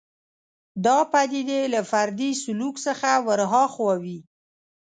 دا پدیدې له فردي سلوک څخه ورهاخوا وي